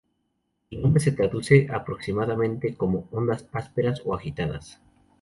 El nombre se traduce aproximadamente como ondas ásperas o agitadas.